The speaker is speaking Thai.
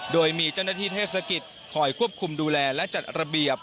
โดยมีเจ้าหน้าที่เทศกิจคอยควบคุมดูแลและจัดระเบียบ